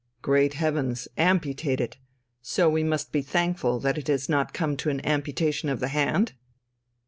"Great heavens ... amputate it. So we must be thankful that it has not come to an amputation of the hand?"